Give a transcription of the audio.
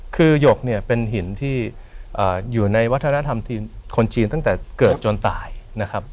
คือหยกเนี่ยเป็นหินที่อยู่ในวัฒนธรรมที่คนจีนตั้งแต่เกิดจนตายนะครับ